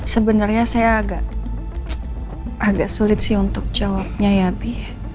sebenarnya saya agak sulit sih untuk jawabnya ya bi